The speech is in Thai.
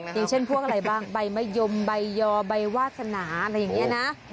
อย่างเช่นพวกอะไรบ้างใบมะยมใบยอใบวาสนาอะไรอย่างนี้นะ